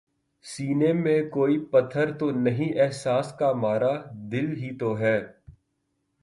سینے میں کوئی پتھر تو نہیں احساس کا مارا، دل ہی تو ہے